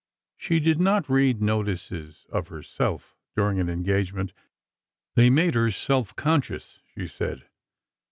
She did not read notices of herself, during an engagement; they made her self conscious, she said.